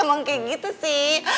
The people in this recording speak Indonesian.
emang kayak gitu sih